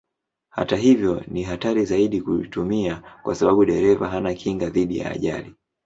Hata hivyo ni hatari zaidi kuitumia kwa sababu dereva hana kinga dhidi ya ajali.